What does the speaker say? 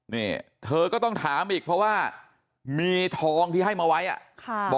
นี่เธอก็ต้องถามอีกเพราะว่ามีทองที่ให้มาไว้อ่ะค่ะ